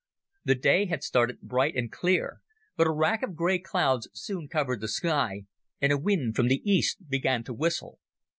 The day had started bright and clear, but a wrack of grey clouds soon covered the sky, and a wind from the east began to whistle.